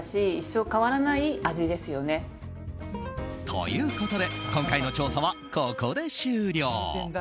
ということで今回の調査はここで終了。